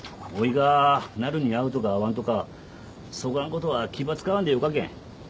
がなるに会うとか会わんとかそがんことは気ば使わんでよかけん。